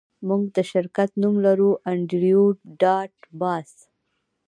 موږ د شرکت نوم لرو انډریو ډاټ باس